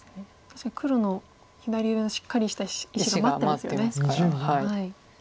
確かに黒の左上のしっかりした石が待ってますよね。